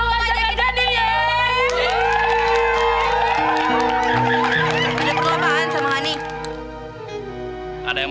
eh tapi kenapa ya